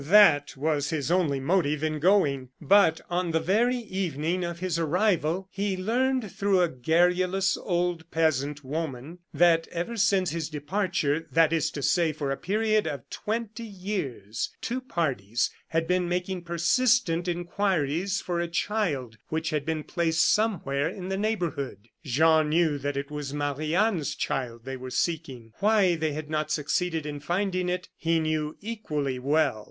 That was his only motive in going, but, on the very evening of his arrival, he learned through a garrulous old peasant woman that ever since his departure that is to say, for a period of twenty years two parties had been making persistent inquiries for a child which had been placed somewhere in the neighborhood. Jean knew that it was Marie Anne's child they were seeking. Why they had not succeeded in finding it, he knew equally well.